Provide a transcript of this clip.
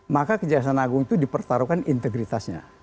maka kejaksaan agung itu dipertaruhkan integritasnya